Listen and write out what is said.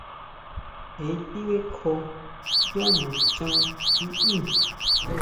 Jé ti bʼekjoo yá nachán liʼí.